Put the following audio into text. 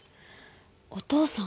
お父さん？